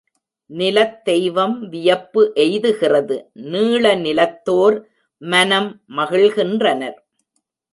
நிலத் தெய்வம் வியப்பு எய்துகிறது நீள நிலத்தோர் மனம் மகிழ்கின்றனர்.